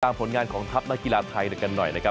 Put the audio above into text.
ผลงานของทัพนักกีฬาไทยกันหน่อยนะครับ